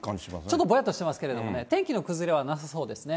ちょっとぼやっとしてますけどね、天気の崩れはなさそうですね。